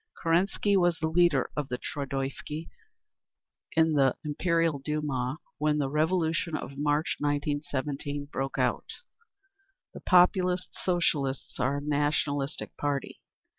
Kerensky was the leader of the Trudoviki in the Imperial Duma when the Revolution of March, 1917, broke out. The Populist Socialists are a nationalistic party.